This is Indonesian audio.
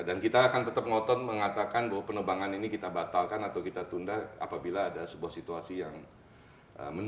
dan kita akan tetap ngotot mengatakan bahwa penerbangan ini kita batalkan atau kita tunda apabila ada sebuah situasi yang menurut kita perlu kita lakukan